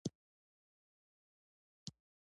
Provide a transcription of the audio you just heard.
په افغانستان کې د پسونو د روزنې منابع شته.